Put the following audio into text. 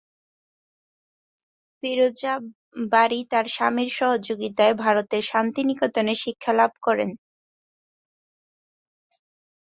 ফিরোজা বারী তার স্বামীর সহযোগিতায় ভারতের শান্তিনিকেতনে শিক্ষা লাভ করেন।